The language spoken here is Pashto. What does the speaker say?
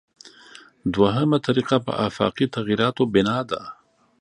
دویمه طریقه په آفاقي تغییراتو بنا ده.